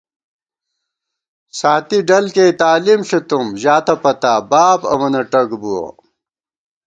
ساتی ڈل کېئی تعلیم ݪِتُم ژاتہ پتا ، باب امَنہ ٹگ بُوَہ